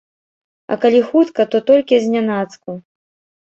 А калі хутка, то толькі знянацку.